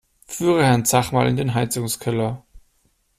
Führe Herrn Zach mal in den Heizungskeller!